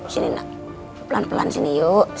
sini nak pelan pelan sini yuk